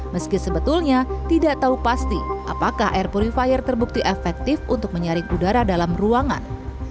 meski sebetulnya tidak tahu pasti apakah air purifier terbukti efektif untuk menyaring udara dalam ruangan